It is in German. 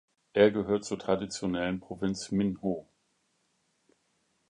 Er gehört zur traditionellen Provinz Minho.